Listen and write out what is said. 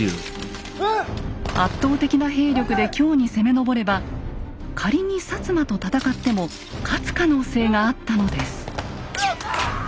圧倒的な兵力で京に攻め上れば仮に摩と戦っても勝つ可能性があったのです。